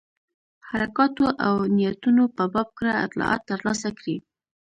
حرکاتو او نیتونو په باب کره اطلاعات ترلاسه کړي.